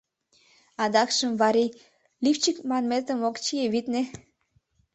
Адакшым Варий лифчик манметым ок чие, витне.